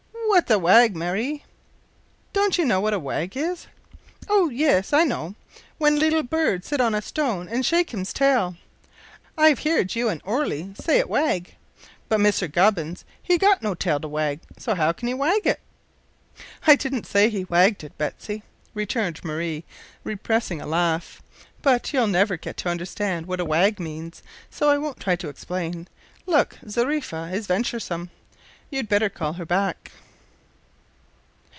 "W'at's a wag, Marie?" "Don't you know what a wag is?" "Oh, yis, I know. When leetil bird sit on a stone an shake hims tail, I've heerd you an Orley say it wag but misser Gubbins he got no tail to wag so how can he wag it?" "I didn't say he wagged it, Betsy," returned Marie, repressing a laugh, "but you'll never get to understand what a wag means, so I won't try to explain. Look! Zariffa is venturesome. You'd better call her back."